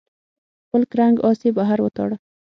خپل کرنګ آس یې بهر وتاړه.